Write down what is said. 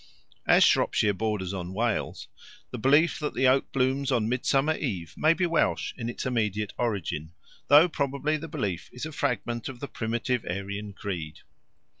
As Shropshire borders on Wales, the belief that the oak blooms on Midsummer Eve may be Welsh in its immediate origin, though probably the belief is a fragment of the primitive Aryan creed.